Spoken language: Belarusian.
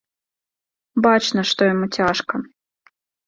Бачна, што яму цяжка.